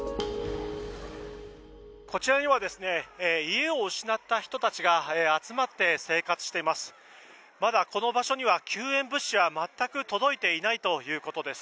こちらには家を失った人たちが集まって生活しています。